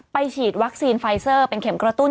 ฉีดวัคซีนไฟเซอร์เป็นเข็มกระตุ้น